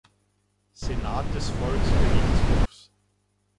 Senat des Volksgerichtshofs.